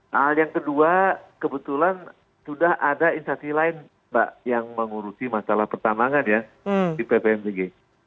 nah hal yang kedua kebetulan sudah ada instansi lain mbak yang mengurusi masalah pertambangan ya di ppmbg